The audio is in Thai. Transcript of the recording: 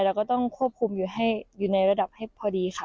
เราก็ต้องควบคุมอยู่ในระดับให้พอดีค่ะ